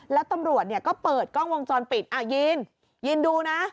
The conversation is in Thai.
แล้วตำรวจเนี่ยก็เปิดกล้องวงจรปิดอ่ะยืนยืนดูนะ